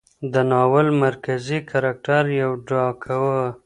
د ناول مرکزي کرکټر يو ډاکو و.